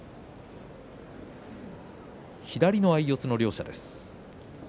左の相四つの両者。